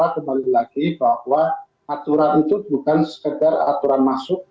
kembali lagi bahwa aturan itu bukan sekedar aturan masuk